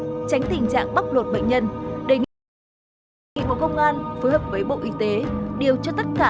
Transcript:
nhân tránh tình trạng bắp lột bệnh nhân đề nghị bộ công an phối hợp với bộ y tế điều cho tất cả